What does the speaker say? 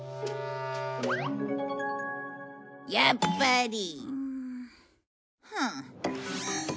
やっぱり。